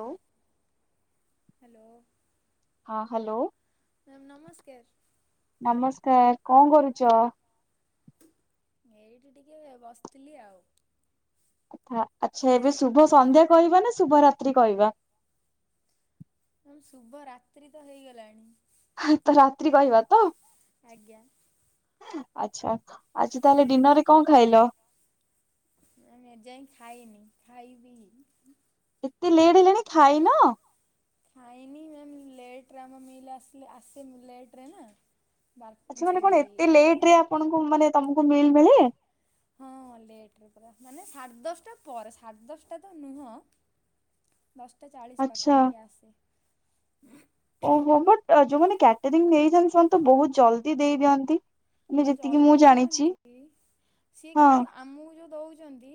ଆଉ। ହ୍ୟାଲୋ ହଁ hello. Ma'am ନମସ୍କାର। ନମସ୍କାର କଁ କରୁଚ? ଏଇଠି ଟିକେ ବସିଥିଲି ଆଉ। ଆଚ୍ଛା ଏବେ ଶୁଭ ସନ୍ଧ୍ୟା କହିବା ନା ଶୁଭ ରାତ୍ରି କହିବା। ଶୁଭ ରାତ୍ରି ତ ହେଇଗଲାଣି। ହାଁ ତ ରାତ୍ରି କହିବା ତ? ଆଜ୍ଞା। ଆଚ୍ଛା ଆଜି ତାହାଲେ ଡିନରରେ କଣ ଖାଇଲ? ମୁଁ ଏ ଯାଏଁ ଖାଇନି ଖାଇବି। ଏତେ ଲେଡ୍ ହେଲାଣି ଖାଇନ? ଖାଇନି ମ୍ୟାମ୍ ଲେଟରେ ଆମ ମିଲ୍ ଆସି ଆସେ ଲେଟରେ ନା। ବାର ଆଛା ମାନେ ସରି କଣ ଏତେ ଲେଟ ରେ ଆପଣଙ୍କୁ ମାନେ ତମକୁ ମିଲ୍ ମିଳେ? ହଁ ଲେଟରେ ପ ମାନେ ସାଢ଼େ ଦଶଟା ପରେ ସାଢ଼େ ଦଶଟା ତ ନୁହଁ। ଦଶଟା ଚାଳିଶ ଆଚ୍ଛା। ପାଖାପାଖି ଆସେ। ଓହୋ ବଟ୍ ଯୋଉମାନେ କ୍ୟାଟରିଂ ନେଇଥାନ୍ତି ସେମାନେ ତ ବହୁତ ଜଲଦି ଦେଇ ଦିଅନ୍ତି। ମାନେ ହଁ ଯେତିକି ମୁଁ ଜଲଦି ଜାଣିଛି ଦିଅନ୍ତି ସିଏ ହଁ କିନ୍ତୁ ଆମକୁ ଯୋଉ ଦଉଚନ୍ତି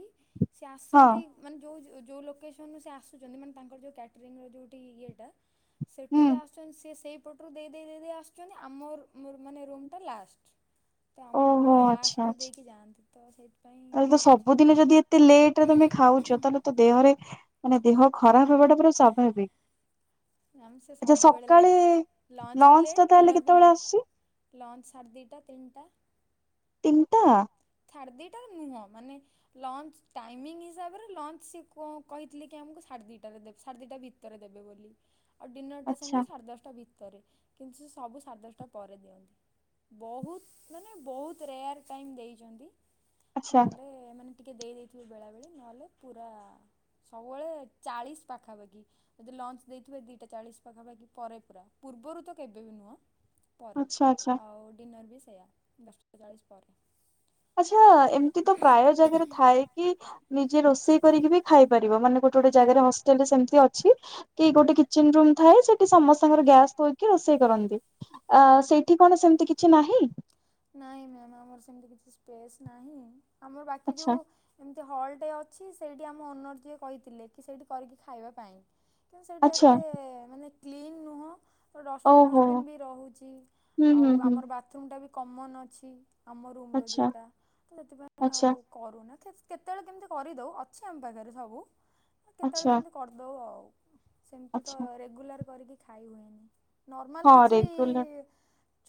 ସିଏ ହଁ ଆସନ୍ତି ମାନେ ଯୋଉ [unintelligible] ଯୋଉ ଲୋକେସନ ରୁ ସେ ଆସୁଚନ୍ତି ମାନେ ତାଙ୍କର ଯୋଉ କ୍ୟାଟରିଂ ର ଯୋଉଠି ଇଏଟା ହୁଁ ସେଠୁ ଯୋଉ ଆସୁଚନ୍ତି ସେ ସେଇ ପଟରୁ ଦେଇ ଦେଇ ଦେଇ ଦେଇ ଆସୁଚନ୍ତି ଆମର୍ ମୋର୍ ମାନେ ରୁମ୍ ଟା ଲାଷ୍ଟ। ତ ଆମକୁ ଓହୋ ପୁରା ଆଚ୍ଛା ଲାଷ୍ଟରେ ଆଚ୍ଛା। ଦେଇକି ଯାଆନ୍ତି ତ ସେଇ। ତାହେଲେ ତ ସବୁଦିନ ଯଦି ଏତେ ଲେଟ ରେ ତମେ ଖାଉଚ ତାହେଲେ ତ ଦେହରେ ମାନେ ଦେହ ଖରାପ ହେବାଟା ପୁରା ଆମେ ସେ ସ୍ୱାଭାବିକ। ଆଚ୍ଛା ସବୁବେଳେ ସକାଳେ ଲେଟ୍ ବି ଲଞ୍ଚ୍ ଲେଟ୍ ଟା ତାହେଲେ ଡିନର୍ ବି କେତେବେଳେ ଲେଟ୍ ଆସୁଚି? ଲଞ୍ଚ୍ ସାଢ଼୍ ଦିଟା ତିନିଟା। [unintelligible] ତ ସାଢ଼େ ଦିଇଟାରେ ନୁହଁ ମାନେ ଲଞ୍ଚ ଟାଇମିଙ୍ଗ ହିସାବରେ ଲଞ୍ଚ ସିଏ କଁ କହିଥିଲେ କି ଆମକୁ ସା ସାଢେ ଦିଟାରେ ଦେବେ ସାଢେ ଦିଟା ଭିତରେ ଦେବେ ବୋଲି ଆଉ ଡିନର ଟା ଆଚ୍ଛା ସେମିତି ସାଢେ ଦଶଟା ଭି ତରେ କିନ୍ତୁ ସେ ସବୁ ସାଢେ ଦଶଟା ପରେ ଦିଅନ୍ତି। ବହୁତ ମାନେ ବହୁତ ରେୟାର୍ ଟାଇମ୍ ଦେଇଛନ୍ତି ଆଚ୍ଛା ନହେଲେ ଏ ମାନେ ଟିକେ ଦେଇ ଦେଇଥିବେ ବେଳେବେଳି ନହେଲେ ପୁରା ସବୁବେଳେ ଚାଳିଶ ପାଖାପାଖି ଯଦି ଲଞ୍ଚ ଦେଇଥିବେ ଦିଟା ଚାଳିଶ ପାଖାପାଖି ପରେ ପୁରା ପୁ ପୂର୍ବରୁ ତ କେବେ ବି ନୁହଁ। ପରେ ଆଚ୍ଛା ଆଚ୍ଛା ଆଉ ଡିନର୍ ବି ସେୟା ଦଶଟା ଚାଳିଶ ପରେ। ଆଚ୍ଛା ଏମିତି ତ ପ୍ରାୟ ଜାଗାରେ ଥାଏ କି ନିଜେ ରୋଷେଇ କରିକି ବି ଖାଇପ୍ ପାରିବ ମାନେ ଗୋଟେ ଗୋଟେ ଜାଗାରେ ହଷ୍ଟେଲରେ ସେମତି ଅଛି, କି ଗୋଟେ କିଚେନ ରୁମ ଥାଏ ସେଠି ସମସ୍ତଙ୍କର ଗ୍ୟାସ ଥୋଇକି ରୋଷେଇ କରନ୍ତି ଆ ସେଇଠି କଣ ସେମତି କିଛି ନାହିଁ? ନାଇଁ ମ୍ୟାମ୍ ଆମର ସେମିତି କିଛି ସ୍ପେସ୍ ନାହିଁ ଆମର ବାକି ଆଚ୍ଛା ଯୋଉ ଏମିତି ହଲଟେ ଅଛି ସ୍ପ ସେଇଠି ଆମ ଓନର୍ ଯିଏ କହିଥିଲେ କି ସେଇଠି କରିକି ଖାଇବା ପାଇଁ କିନ୍ତୁ ସେଇଠି ଆଚ୍ଛା ଏତେ ମାନେ କ୍ଲିନ୍ ନୁହଁ ତ ଡଷ୍ଟବିନ୍ ଓହୋ ଫଷ୍ଟବିନ୍ ବି ରହୁଛି ହୁଁ ହୁଁ ଆଉ ହୁଁ ଆମର ବାଥରୁମ୍ ଟା ବି କମନ ଅଛି ଆମ ରୁମର ଆଚ୍ଛା ଯୋଉଟା ତ ସେଥିପାଇଁ ଆଉ ଆଚ୍ଛା କରୁନା କେତ କେତେବେଳେ କେମିତି କରିଦଉ ଅଛି ଆମ ପାଖରେ ସବୁ କେତେବେଳେ ଆଚ୍ଛା କେମିତି କରିଦଉ ଆଉ। ସେମିତି ତ ଆଚ୍ଛା ରେଗୁଲାର କରିକି ଖାଇ ହୁଏନି ନର୍ମାଲ ହଁ କିଛି ରେଗୁଲାର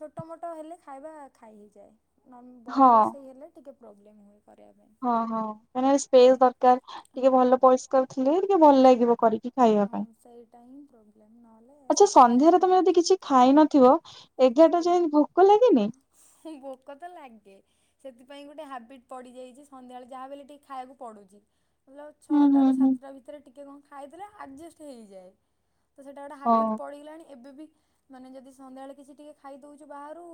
ଛୋଟ ମୋଟ ହେଲେ ଖାଇବା ଖାଇ ହେଇଯାଏ ନନ୍ ହଁ ବଡ଼ ରୋଷେଇ ହେଲେ ଟିକେ ପ୍ରୋବ୍ଲେମ୍ ହୁଏ। କରିବା ପାଇଁ। ହଁ ହଁ କାହିଁକି ନା ସ୍ପେସ ଦରକାର ଟିକେ ହଁ। ଭଲ ପରିଷ୍କାର ଥିଲେ ଟିକେ ଭଲ ଲାଗିବ କରିକି କି ଖାଇବା ପାଇଁ, ହଁ ସେଇଟା ହିଁ ପ୍ରୋବ୍ଲେମ୍ ନହେଲେ ଆଛା ସେଥିପାଇଁ ତ ସନ୍ଧ୍ୟାରେ ତମେ ମିଳେ ଯଦି କିଛି ଖାଇ ନଥିବ ଏ ଆଜ୍ଞା ଭୋକ ତ ଲାଗେ ସେଥିପାଇଁ ଗୋଟେ ହାବିଟ୍ ପଡ଼ିଯାଇଛି ସନ୍ଧ୍ୟାବେଳେ ଯାହା ବି ହେଲେ ଟିକେ ଖାଇବାକୁ ପଡ଼ୁଛି। ମତଲବ୍ ହୁଁ ହୁଁ ଛଅଟାରୁ ହୁଁ ସାତଟା ଭିତରେ ଟିକେ କଣ ଖାଇଦେଲେ ଆଡ଼ଜେଷ୍ଟ ହେଇଯାଏ। ତ ସେଇଟା ଗୋଟେ ହାବିଟ୍ ହଁ ପଡିଗଲାଣି ଏବେ ବି ମାନେ ଯଦି ସନ୍ଧ୍ୟାବେଳେ କିଛି ଟିକେ ଖାଇଦଉଛୁ ବାହାରୁ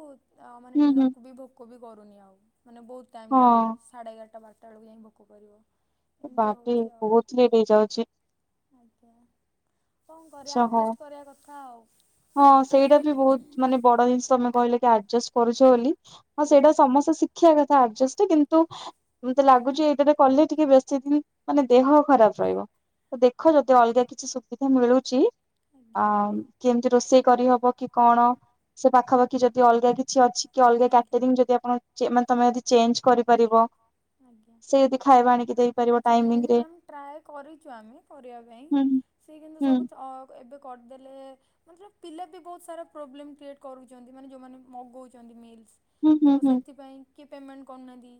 ଆଉ ମାନେ ହୁଁ ହୁଁ ଡିନରକୁ ବି ଭୋକ ବି କରୁନି ଆଉ ମାନେ ବହୁତ ଟାଇମ୍ ଲାଗୁଛି ହଁ ସାଢ଼େ ଏଗାରଟା ବାର ଚାରଟାବେଳକୁ ଯାଇଁକି ଭୋକ କରିବ। ଏ ଏମିତି ବାପରେ ହେଉଛି ଆଉ ବହୁତ ଲେଟ ହେଇଯାଉଛି। ଆଜ୍ଞା କଣ କରିବା ଆଚ୍ଛା ହଁ ଆଡ଼ଜେଷ୍ଟ କରିବା କଥା ଆଉ। ହଁ ସେଇଟା ବି ବହୁତ ମାନେ ବଡ ଜିନିଷ ତମେ କହିଲେ କି ଆଡଜଷ୍ଟ କରୁଛ ବୋଲି। ହଁ ଆଜ୍ଞା ସେଇଟା ସମସ୍ତେ ଶିଖିବା କଥା ଆଡଜଷ୍ଟ୍ [unintelligible] କିନ୍ତୁ ମତେ ଲାଗୁଛି ଏଇଟାରେ କଲେ ଟିକେ ବେଶୀ ଦିନ ମାନେ ଦେହ ଖରାପ ରହିବ। ହଉ ଦେଖ ଯଦି ଅଲଗା କିଛି ସୁବିଧା ମିଳୁଛି ଆଜ୍ଞା। ଆମ୍ ରୋଷେଇ କରିହବ କି କଣ ସେ ପାଖାପାଖି ଯଦି ଅଲଗା କିଛି ଅଛି କି ଅଲଗା ଆଜ୍ଞା। କ୍ୟାଟରିଙ୍ଗ ଯଦି ଆପଣ ଚେ ମାନେ ତମେ ଯଦି ଚେଞ୍ଜ କରିପାରିବ ଆଜ୍ଞା। ସେ ଯଦି ଖାଇବା ଆଣିକି ଦେଇପାରିବ ଟାଇମିଂ ଚେଞ୍ଜ ରେ ମ୍ୟାମ ଟ୍ରାଏ କରିଛୁ ଆମେ କରିବା ପାଇଁ ହୁଁ ସେ କିନ୍ତୁ ହୁଁ ସବୁତକ ଅ ଏବେ କରିଦେଲେ ମତଲବ୍ ପିଲା ବି ବହୁତ ସାରା ପ୍ରୋବ୍ଲେମ୍ କ୍ରିଏଟ୍ କରୁଛନ୍ତି ମାନେ ଯୋଉମାନେ ମଗଉଛନ୍ତି ମିଲ୍ ହୁଁ ହୁଁ ତ ହୁଁ ସେଥିପାଇଁ କିଏ ପେମେଣ୍ଟ କରୁନାହାନ୍ତି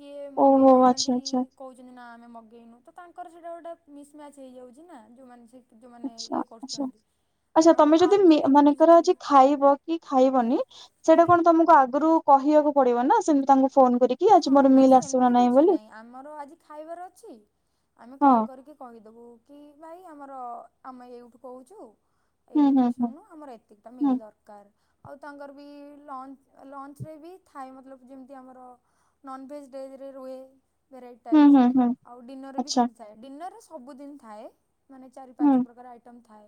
କିଏ ମଗେଇ ଓହୋ ଆଚ୍ଛା ଦଉଛନ୍ତି ଆଚ୍ଛା କହୁଛନ୍ତି ନା ଆମେ ମଗେଇନୁ ତ ତାଙ୍କର ସେଇଟା ଗୋଟେ ମିସମ୍ୟାଚ ହେଇଯାଉଛି ନା ଯୋଉମାନେ ସେ ଯୋଉମାନେ ଆଚ୍ଛା ଇଏ ଆଚ୍ଛା କରୁଚନ୍ତି। ଆଚ୍ଛା ତମେ ଯଦି ମି ମନେକର ଆଜି ଖାଇବ କି ଖାଇବନି ସେଇଟା ଆଜ୍ଞା କଣ ତମକୁ ଆଗରୁ କହିବାକୁ ପଡିବ ନା ସେମତି ତାଙ୍କୁ ଫୋନ କରିକି ଆଜି ହଁ ମୋର ନା ମିଲ୍ ଆସିବ ସେମିତି କିଛି ବୋଲି ନାହିଁ ଆମର ଆଜି ଖାଇବାର ଅଛି ଆମେ ହଁ କଲ୍ କରିକି କହିଦବୁ କି ଭାଇ କି ଆମର ଆମେ ଏଇଠୁ କହୁଛୁ ଏଇ ଲୋକେସନରୁ ଆମର ଏତିକିଟା ମିଲ୍ ଦରକାର। ଆଉ ତାଙ୍କର ବି ଲଞ୍ଚ ଲଞ୍ଚରେ ବି ଥାଏ ମତଲବ ଯେମିତି ଆମର ନନଭେଜ୍ ଡେରିରେ ରୁହେ ଭେରାଇଟି ଟାଇପସ୍ ଆଉ ଡିନର ରେ ବି ସେମତି ଥାଏ ଡ଼ିନର ରେ ସବୁଦିନ ଥାଏ ମାନେ ଚାରି ପାଞ୍ଚ ପ୍ରକାର ଆଇଟମ୍ ଥାଏ।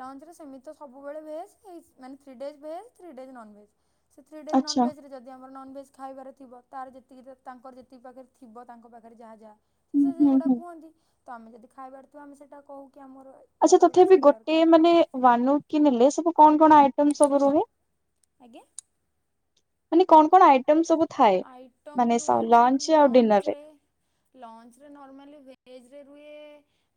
ଲଞ୍ଚ୍ ରେ ସେମିତି ତ ସବୁବେଳେ ଭେଜ୍ ଏଇସ୍ ମାନେ three days veg three days nonveg. ସେ ଥ୍ରୀ ଡେଜ୍ ନନଭେଜ୍ ରେ ଯଦି ଆମର ନନଭେଜ୍ ଖାଇବାର ଥିବ। ତାର ଯେତିକି ଯେ ତାଙ୍କର ଯେତିକି ପାଖରେ ଥିବ ତାଙ୍କ ପାଖରେ ଯାହା ଯାହା ସେ ହୁଁ, ସେଗୁଡା ହୁଁ। କୁହନ୍ତି। ତମେ ଯଦି ଖାଇବାର ଥିବ ଆମେ ସେଟା କହୁ। କି ଆମର ଏଇଟା ଆଚ୍ଛା ଦରକାର ତଥାପି ସେଇଟା ଗୋଟେ ଦରକାର ମାନେ ୱାନୁ କି ନେଲେ ସବୁ କଣ କଣ ଆଇଟମ୍ ସବୁ ରୁହେ ଆଜ୍ଞା ମାନେ କଣ କଣ ଆଇଟମ୍ ସବୁ ଥାଏ? ଆଇଟମ୍ ମାନେ ସ ରୁହେ ମ୍ୟାମ୍ ଲଞ୍ଚ୍ ଆଉ ଡିନର୍ ଲଞ୍ଚ୍ ରେ, ଲଞ୍ଚ୍ ରେ ନର୍ମାଲି ଭେଜ୍। ରୁ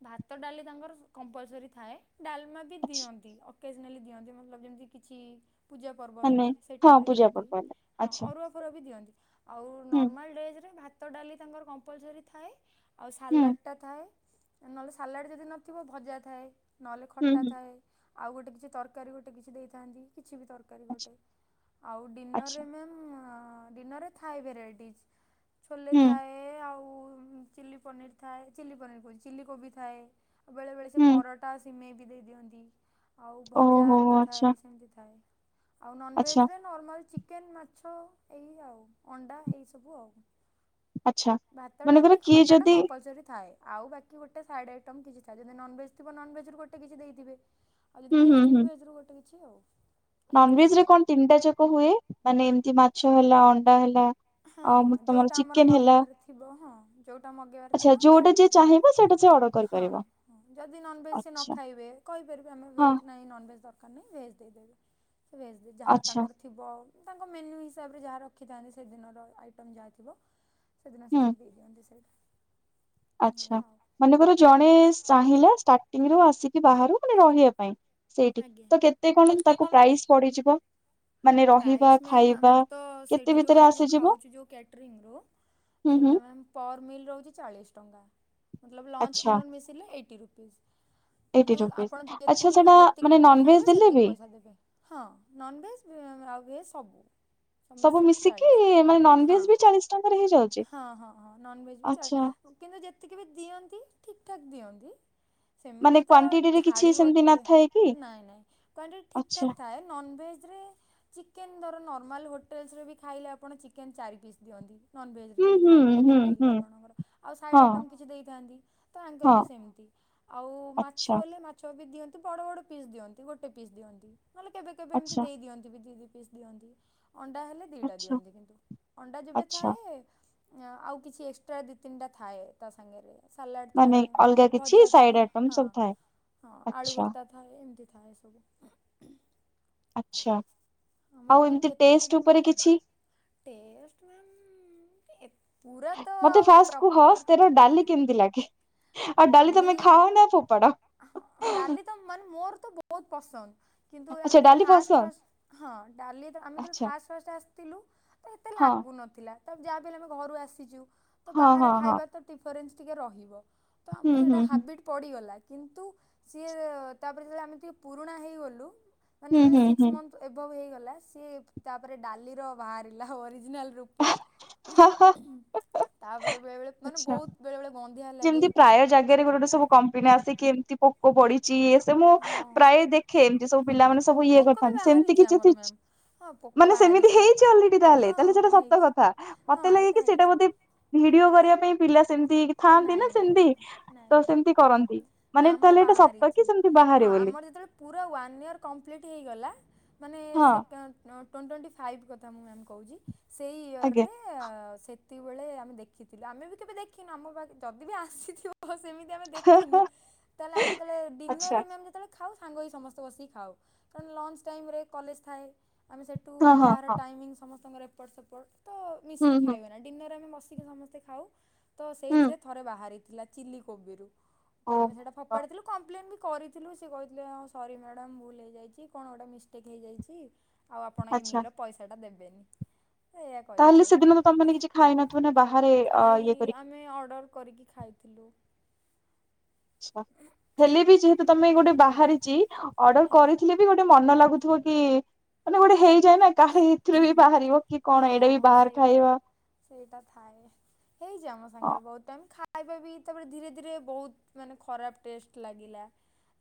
ଭାତ ଡାଲି ତାଙ୍କର କମ୍ପଲସର ଥାଏ ଡାଲମା ବି ଆଚ୍ଛା ଦିଅନ୍ତି କେଜ୍ ମେଲି ଦିଅନ୍ତି ମୋଲବ୍ ଯେମତି କିଛି ପୂଜା ପର୍ବ ମାନେ ହେଲେ ସେଇ ହଁ ଟାଇମ୍ ରେ ପୂଜା ଦିଅନ୍ତି। ପର୍ବ ହେଲା। ହଁ ଆଚ୍ଛା ଅରୁଆ ଫରୁଆ ବି ଦିଅନ୍ତି। ଆଉ ହୁଁ, ନର୍ମାଲ୍ ଡେଜ୍ ରେ ଭାତ ଡାଲି ତାଙ୍କର କମ୍ପଲସରି ଥାଏ। ଆଉ ହୁଁ, ସାଲାଡ଼ଟା ଥାଏ। ନହେଲେ ସାଲାଡ ଯଦି ନଥିବ ଭଜା ଥାଏ। ନହେଲେ ହୁଁ, ଖଟା ହୁଁ, ଥାଏ। ଆଉ ଗୋଟେ କିଛି ତରକାରୀ ଗୋଟେ କିଛି ଦେଇଥାନ୍ତି। କି ଛି ବି ତରକାରୀ ଆଚ୍ଛା, ଗୋଟେ। ଆଉ ଡିନର ଆଚ୍ଛା, ରେ ମ୍ୟାମ୍ ଅ ଡିନରେ ଥାଏ ଭେରାଇଟି ଛୋଲେ ହୁଁ, ଥାଏ ଆଉ ଉଁ ଉଁ ଚିଲି ପନିର ଥାଏ। ଚିଲି ପନିର କହୁଚି ଚିଲି କୋବି ଥାଏ। ଆଉ ବେଳେ ବେଳେ ସେ ହୁଁ, ପରଟା ସିମେଇ ଦେଇ ଦିଅନ୍ତି ଆଉ ଭଜା ଓହୋ! ଏମତି ଆଚ୍ଛା, ଥାଏ ସେମତି ଥାଏ। ଆଉ ନନଭେଜ୍ ଆଚ୍ଛା, ରେ ନର୍ମାଲ୍ ଚିକେନ, ମାଛ ଏଇ ଆଉ। ଅଣ୍ଡା ଏଇସବୁ ଆଉ ଆଚ୍ଛା। ଭାତ ମନେକର ଡାଲି କିଏ ଖଟାଟା ଯଦି କମ୍ପଲସରି ଥାଏ। ଆଉ ବାକି ଗୋଟେ ସାଇଡ଼ ଆଇଟମ୍ କିଛି ଥାଏ ଯଦି ନନଭେଜ୍ ଥିବା ନନଭେଜ୍ ରୁ ଗୋଟେ କିଛି ଦେଇଥିବେ। ଆଉ ଯଦି ହୁଁ, ହୁଁ, ଭେଜ୍ ହୁଁ ଥିବ ଭେଜ୍ ରୁ ଗୋଟେ କିଛି ଆଉ। ଏମିତି ନନଭେଜ୍ ଥାଏ। ରେ କଣ ତିନିଟା ଯାକ ହୁଏ ମାନେ ଏମତି ମାଛ ହେଲା ଅଣ୍ଡା ହେଲା। ହଁ ଆଉ ତମର ଯୋଉଟା ଆମର ଚିକେନ୍ ହେଲା ମଗେଇବାର ଥିବ ହଁ। ଯୋଉଟା ମଗେଇବାର ଆଚ୍ଛା ଥିବ ମୁଁ ଯୋଉଟା ସେଇଟା ଯିଏ କରୁଛି। ଚାହିଁବ ସେଇଟା ସେ ଅର୍ଡର ହଁ କରିପାରିବ ଯଦି ନନଭେଜ୍ ସେ ନ ଆଚ୍ଛା ଖାଇବେ କହିପାରିବେ ଆମ ଭେଜ ହଁ ନାଇଁ ନନଭେଜ୍ ଦର୍ ଆମେ ଭେଜ୍ ଦେଇ ଦଉ। ‌ଭେଜ୍ ଦଉ ଯାହା ଆଚ୍ଛା ତାଙ୍କର ଥିବ ତାଙ୍କ ମେନ୍ୟୁ ହିସାବରେ ଯାହା ରଖିଥାନ୍ତି। ସେଦିନର ଆଇଟମ୍ ଯାହା ଥିବ ସେଦିନ ସେ ହୁଁ ସେଇ ଦେଇ ଦିଅନ୍ତି ସେଇଟା। ଆଚ୍ଛା। ଏଇଆ ଆଉ। ମନେକର ଜଣେ ଚାହିଁଲା ଷ୍ଟାର୍ଟିଂ ରୁ ଆସିକି ବାହାରୁ ମାନେ ରହିଆ ପାଇଁ ସେଇଠି ଆଜ୍ଞା। ତ କେତେ କଣ ତାକୁ ପ୍ରାଇସ୍ ପଡିଯିବ? ମାନେ ରହିବା ପ୍ରାଇସ୍ ମ୍ୟାମ୍ ଖାଇବା ଆମର ତ କେତେ ସେଇଠି ଯୋଉ ଭିତରେ ଆମେ ଯୋଉ ଆସିଯିବ ଖାଉଚୁ ଯୋଉ କ୍ୟାଟରିଙ୍ଗ ରୁ ହୁଁ ହୁଁ ସେଇଟା ମ୍ୟାମ୍ ପର୍ ମିଲ୍ ରହୁଚି ଚାଳିଶ ଟଙ୍କା ମତଲବ ଲଞ୍ଚ୍ ଆଚ୍ଛା ଡିନର୍ ମିଶିଲେ ଏଇଟି ରୁପିଜ୍। ହଁ ଏଇଟି କିନ୍ତୁ ରୁପିଜ ଆପଣ ଆଚ୍ଛା ଯେତିକି ସେଟା ଯେତିକି ମାନେ ଟା ମିଲ୍ ନନଭେଜ ଖାଇବେ ଦେଲେ ସେତିକି ବି ପଇସା ଦେବେ। ହଁ ନନଭେଜ୍? ଇଏ ସବୁ। ସବୁ ମିଶିକି ମାନେ ନନଭେଜ ବି ଚାଳିଶ ଟଙ୍କାରେ ହେଇଯାଉଚି? ହଁ ହଁ ହଁ ନନଭେଜ୍ ବି ଚଳେ ଆଛା। କିନ୍ତୁ ଯେତିକି ବି ଦିଅନ୍ତି ଠିକ୍ ଠାକ୍ ଦିଅନ୍ତି। ମାନେ ସେମିତି ତ କ୍ଵାଣ୍ଟିଟିରେ କିଛି ଛାଡିବ ସେମିତି ଟିକେ ନଥାଏ କି ନାଇଁ ନାଇଁ କ୍ୱାଣ୍ଟିଟି ଠିକ ଆଚ୍ଛା ଠାକ୍ ଥାଏ। ନନଭେଜ୍? ଏଥିରେ ଚିକେନ ଧର ନର୍ମାଲ ହୋଟେଲସ୍ ରେ ବି ଖାଇଲେ ଆପଣ ଚିକେନ୍ ଚାରି ପିସ୍ ଦିଅନ୍ତି। ନନଭେଜ୍ ରେ ହୁଁ ଯଦି ହୁଁ ଖାଇବେ ଗୋଟେ ହୁଁ ମିଲ୍ ହୁଁ ଆପଣଙ୍କର ଆଉ ସାଇଡ଼୍ ହଁ ଆଇଟମ୍ କିଛି ଦେଇଥାନ୍ତି ତ ଆଙ୍କର ହଁ ବି ସେମିତି। ଆଉ ମାଛ ଆଚ୍ଛା। ହେଲେ ମାଛ ବି ଦିଅନ୍ତି। ବଡ ବଡ ପିସ୍ ଦିଅନ୍ତି ଗୋଟେ ପିସ୍ ଦିଅନ୍ତି ନହେଲେ କେବେ କେବେ ଏମିତି ଆଚ୍ଛା ଦେଇ ଦିଅନ୍ତି ବି ଦି ଦି ପିସ୍ ଦିଅନ୍ତି। ଅଣ୍ଡା ହେଲେ ଦିଟା ଆଚ୍ଛା ଦିଅନ୍ତି କିନ୍ତୁ ଅଣ୍ଡା ଯେବେ ଆଚ୍ଛା ଥାଏ। ଆଉ କିଛି ଏକ୍ସଟ୍ରା ଦିଇ ତିନିଟା ଥାଏ ତା ସାଙ୍ଗେରେ। ସାଲାଡ ମାନେ ଥାଏ ଅଲଗା ନହେଲେ କିଛି ଭଜା ସାଇଡ ଥାଏ ଆଇଟମ ହଁ ସବୁ ଥାଏ ହଁ ଆଳୁ ଆଚ୍ଛା ଭର୍ତା ଥାଏ ଏମତି। ଥାଏ ସବୁ। ଆଚ୍ଛା ଆମର ଆଉ ମ୍ୟାମ୍ ଏମିତି ଯେତିକିଟା ଟେଷ୍ଟ ମିଲ୍ ଉପରେ କିଛି ଟେଷ୍ଟ ମ୍ୟାମ୍ ପୁରା ତ ମତେ ଆଉ ଫାଷ୍ଟ କୁହ ପ୍ରପର୍ ସେଥେରେ ଆଜ୍ଞା ଡାଲି କେମିତି ଲାଗେ? ଆଉ ଡାଲି ତମେ ଖାଅ ନା ଫୋପାଡ ଡାଲି ତ ମାନେ ମୋର ତ ବହୁତ ପସନ୍ଦ। କିନ୍ତୁ ଆଚ୍ଛା ଆମେ ଡାଲି ଫାଷ୍ଟ ପସନ୍ଦ ଫାଷ୍ଟ ହ ଡାଲି ଆମେ ଆଚ୍ଛା ଫାଷ୍ଟ ଫାଷ୍ଟ ଆସିଥିଲୁ ଏତେ ହଁ ଲାଗୁନଥିଲା। ଯାହାହେଲେ ଆମେ ଘରୁ ଆସିଛୁ ତ ହଁ ବାହାରେ ହଁ ହଁ ଖାଇବା ତ ଡିଫରେନ୍ସ ଟିକେ ରହିବ ତ ହୁଁ ଆମକୁ ସେଇଟା ହୁଁ ହାବିଟ ପଡିଗଲା। କିନ୍ତୁ ସିଏ ତାପରେ ଯେତେବେଳେ ଆମେ ଟିକେ ପୁରୁଣା ହେଇଗଲୁ ମାନେ ହୁଁ ଯେତେବେଳେ ହୁଁ ସିକ୍ସ ହୁଁ ମନ୍ଥ ଏଭବ ହେଇଗଲା ସିଏ ତାପରେ ଡାଲିର ବାହାରିଲା ଓରିଜିନାଲ୍ ରୁପ ହଁ ହ-ହ ତାପରେ ବେଳେବେଳେ ମାନେ ଆଛା ବହୁତ ବେଳେବେଳେ ଗନ୍ଧିଆ ଲାଗେ ଯେମିତି ପ୍ରାୟ ଜାଗାରେ ଗୋଟେ ଗୋଟେ ସବୁ କମ୍ପିନ ଆସି ଏମିତି ପୋକ ପଢିଛି ୟେ ସେ ମୁଁ ହଁ ପ୍ରାୟ ଦେଖେ ଏମତି ସବୁ ପିଲାମାନେ ହଁ ସବୁ ଇଏ ପୋକ ବି କରିଥାନ୍ତି ସେମିତି ବାହାରିଛି ଆମର ମ୍ୟାମ୍ କିଛି ହଁ ପୋକ ମାନେ ସେମିତି ବାହାରିଛି। ହେଇଛି ଅଲରେଡି ତାହେଲେ ହଁ ତାହେଲେ ସେଟା ସତ ହେଇଛି କଥା ହଁ ମତେ ଲାଗେ କି ଏଇଟା ସେଟା ହେଇଛି ଗୋଟେ ଭିଡିଓ କରିବା ପାଇଁ ପିଲା ସେମିତି ଥାଆନ୍ତି ନା ନାଇଁ ନାଇଁ ସେମତି ନାଇଁ ନାଇଁ ତ ମ୍ୟାମ୍। ସେମିତି କରନ୍ତି ନା ମାନେ ଆମର ତାହେଲେ ଏଟା ସତ ବାହାରିଛି କି ସେମତି ବାହାରିବ ହଁ ଆମର ଯେତେବେଳେ ପୁରା ୱାନ୍ ଇୟର କମ୍ପ୍ଲିଟ୍ ହେଇଗଲା। ମାନେ ହଁ ସେ କେ ଟ୍ଵେଣ୍ଟି ଟ୍ୱେଣ୍ଟି ଫାଇଭ୍ କଥା ମୁଁ ମ୍ୟାମ୍ କହୁଛି। ସେଇ ଇୟର ଆଜ୍ଞା। ରେ ସେତିକବେଳେ ଆମେ ଦେଖିଥିଲୁ ଆମେ ବି କେବେ ଦେଖିନୁ ଆମକୁ ଯଦି ବି ଆସିଥିବ ସେମିତି ଆମେ ଦେଖିନୁ ତାହେଲେ ଆମେ ଯେତେବେଳେ ଡିନରରେ ଆଚ୍ଛା ମ୍ୟାମ୍ ଯେତେବେଳେ ଖାଉ ସାଙ୍ଗ ହେଇ ସମସ୍ତେ ବସିକି ଖାଉ କାରଣ ଲଞ୍ଚ ଟାଇମ୍ କଲେଜ୍ ଥାଏ। ଆମେ ସେଇଠୁ ହଁ ହଁ କାହାର ହଁ ଟାଇମିଙ୍ଗ ସମସ୍ତଙ୍କର ଏପର୍ଟ ସେପର୍ଟ ତ ହୁଁ ମିଶିକି ହୁଁ ଖାଇହୁଏନା ଡିନର୍ ଆମେ ମିସିକି ସମସ୍ତେ ଖାଉ ତ ହୁଁ ସେଇଥିରେ ଥରେ ବାହାରିଥିଲା ଚିଲି କୋବିରୁୁ ତ ଓ ଆମେ ସେଇଟା ଫପାଡିଥିଲୁ କମ୍ପ୍ଲେନ ବି କରିଥିଲୁ ସେ କହିଥିଲେ ହଁ ସରି ମ୍ୟାଡାମ ଭୁଲ ହେଇଯାଇଛି କଣ ଗୋଟେ ମିଷ୍ଟେକ୍ ହେଇଯାଇଛି। ଆଉ ଆପଣ ଏଇ ଆଚ୍ଛା ମିଲର ପଇସା ଟା ଦେବେନି। ଏଇଆ ତାହେଲେ କହିଥିଲେ ସେଦିନ ତ ତମେମାନେ କିଛି ଖାଇ ନଥିବ ନାଁ ବାହାରେ ଆ ଇଏ କରିକି ରୋଲ କରିକି ଖାଇଥିଲୁ। ଆଛା ହେଲେ ବି ଯେହେତୁ ତମେ ଗୋଟେ ବାହାରିଛି ଅର୍ଡର ଆଜ୍ଞା। କରିଥିଲେ ବି ଗୋଟେ ମନ ଲାଗୁଥିବ କି ମାନେ ଗୋଟେ ହେଇ ଥାଏ କାହାର ଏଥିରେ ବି ବାହାରିବ କି କଣ ଏଇଟା ବି ହଁ ବାହାର ସେଇଟା ଖାଇବା ସେଇଟା ଥାଏ ହେଇଛି ଆମ ସାଙ୍ଗରେ ବହୁତ ଟାଇମ ଖାଇ ଖାଇବା ବି ତାପରେ ଧୀରେ ଧୀରେ ବହୁତ ମାନେ ଖରାପ ଟେଷ୍ଟ ଲାଗିଲା।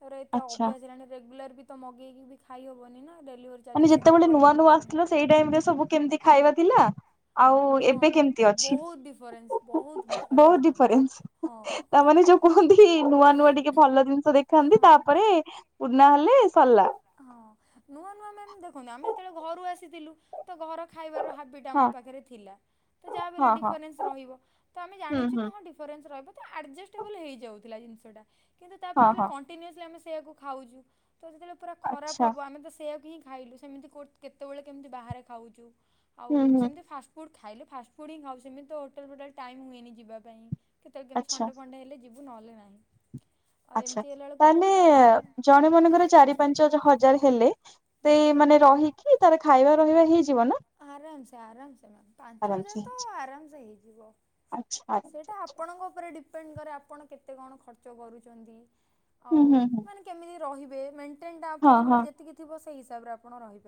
ମୋର ଏତେ ଆଚ୍ଛା ଅଭ୍ୟାସ ହେଲାଣି ରେଗୁଲାର ବି ତ ମଗେଇକି ବି ଖାଇ ହବନି ନା ଡେଲିଭରି ଚାର୍ଜେସ୍ ଏତେ ପଡ଼ିଯାଉଛି। ଥିଲ ସେଇ ଟାଇମରେ ସବୁ କେମିତି ଖାଇବା ଥିଲା। ଆଉ ଏବେ ହଁ କେମିତି ଅଛି ବହୁତ ଡିଫରେନ୍ସ ବହୁତ ବହୁ ଡିଫରେନ୍ସ ମ୍ୟାମ୍ ଡିଫରେନ୍ସ ହଁ। ତାମାନେ ହଁ। ଯଉ କୁହନ୍ତି ନୂଆ ନୂଆ ଟିକେ ଭଲ ଜିନିଷ ଦେଖାନ୍ତି ତାପରେ ପୁରୁନା ହେଲେ ସରିଲା। ହଁ ନୁଆ ନୁଆ ମାନେ ଦେଖନ୍ତୁ ଆମେ ଯେତେବେଳେ ଘରୁ ଆସିଥିଲୁ ତ ଘର ଖାଇବାର ହାବିଟ୍ ହଁ ଆମ ପାଖରେ ଥିଲା ଯାହାବି ହେଲେ ହଁ ହଁ। ଡିଫରେନ୍ସ ରହିବ ତ ଆମେ ହୁଁ ଜାଣିଛୁ ତ ହୁଁ ହଁ ରିଫରେନ୍ସ ଥି ରହିବ ତ ଆଜଷ୍ଟଲେବୁଲ ହେଇଯାଇଥିଲା କିନ୍ତୁ ତାପରେ ହଁ ଯେତେବେଳେ ହଁ କଣ୍ଟିନିଉଚଲି ଆମେ ସେଆକୁ ଖାଉଛୁ ତ ସେତେବେଳେ ପୁରା ଖରାପ ଆଚ୍ଛା ହବ ଆମେ ତ ସେଇୟକୁ ହିଁ ଖାଇଲୁ ସେମିତି କଉଠି କେତେବେଳେ କେମିତି ବାହାରେ ଖାଉଛୁ ଆଉ ହୁଁ ହୁଁ ସେମିତି ଫାଷ୍ଟ ଫୁଡ଼ ଖାଇଲେ ଫାଷ୍ଟୁଫୁଡ ହିଁ ଖାଉ ସେମିତି ତ ହୋଟଲ ଫୋଟଲ ଟାଇମ୍ ହୁଏନ ଯିବା ପାଇଁ କେତେବେଳେ କେମତି ଆଚ୍ଛା ସନଣ୍ଡେ ସଫଣ୍ଡେ ହେଲେ ଯିବୁ ନହଲେ ନାହିଁ। ଆଉ ଆଛା ଏମିତି ହେଲା ବେଳକୁ ତାହେଲେ ତାପରେ ଜଣେ ଜଣଙ୍କର ଚାରି ପାଞ୍ଚ ହ ହଜାର ହେଲେ ତେ ଆଜ୍ଞା। ମତେ ମାନେ ରହିକି ତାର ଖାଇବା ରହିବା ହେଇଯାଏ। ଆରାମ ସେ ଆରାମ ସେ ମ ପାଞ୍ଚ ଆରାମସେ ହଜାର ତ ହେଇଯିବ। ଆରାମ ସେ ହେଇଯିବ। ଆଚ୍ଛା ଆରାମସେ ସେଇଟା ହେଇଯିବ ଆପଣଙ୍କ ଉପରେ ଡିପ ଡିଫେଣ୍ଡ କରେ ଆପଣ କେତେ କଣ ଖର୍ଚ୍ଚ କରୁଛନ୍ତି ହୁଁ ଆଉ ହୁଁ ହୁଁ ମାନେ କେମିତି ରହିବେ ମେନ ମେଣ୍ଟେନ୍ ଟା ଆପଣଙ୍କର ଯେତିକି ଥିବ ସେଇ ହିସାବରେ ଆପ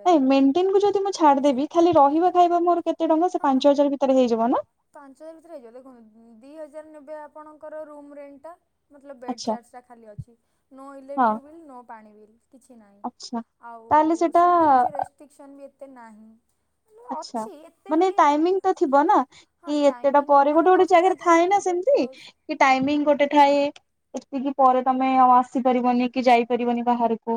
ନାଇଁ ମେଣ୍ଟେନ କୁ ଯଦି ମୁଁ ଛାଡିଦେବି ଖାଲି ଆଜ୍ଞା ରହିବା ଖାଇବା ମୋର କେତେ ଟଙ୍କା ସେ ହଁ। ପାଞ୍ଚ ହଜାର ଭିତରେ ହେଇଯିବ ନା? ପାଞ୍ଚ ହଜାର ଭିତରେ ହେଇଯିବ ଦେଖନ୍ତୁ ଦି ହଜାର ନେବେ ଆପ ଆପଣଙ୍କର ରୁମ୍ ରେଣ୍ଟଟା ମତଲବ ବେଡ଼ ଆଚ୍ଛା ଚାର୍ଜଟା ଖାଲି ଅଛି ନୋ ହଁ ଇଲେକ୍ଟ୍ରିକ୍ ବିଲ୍ ନୋ ପାଣି ବିଲ୍। କିଛି ନାହିଁ ଆଚ୍ଛା ଆଉ ତାହେଲେ ସେଟା ସେମିତି କିଛି ରେଷ୍ଟ୍ରିକସନ୍ ବି ଏତେ ନାହିଁ। ଆଛା ଅଛି ଏତେ ମାନେ ବି ଟାଇମିଂ ତ ଥିବ ନା ହଁ କି ଏତେଟା ଟାଇମିଂ ପରେ ଗୋଟେ ଆମର ଗୋଟେ ଦଶଟା ଜାଗାରେ ଥାଏ ନା ଯାଏଁ ଗେଟ୍ ସେମତି କ୍ଲୋଜ୍ କି ଟାଇମିଂ ଗୋଟେ ଥାଏ। ଏତିକି ପରେ ତମେ ଆସିପାରିବନି କି ଯାଇପାରିବନି ବାହାରକୁ।